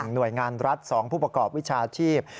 หน่วยงานรัฐ๒ผู้ประกอบวิชาชีพ